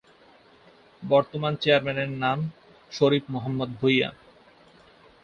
বর্তমান চেয়ারম্যানের নাম শরীফ মোহাম্মদ ভূইয়া।